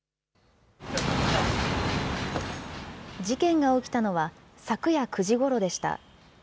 事件が起きたのは昨夜９時ごろでした。